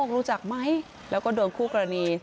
รู้จักไหมแล้วก็โดนคู่กรณี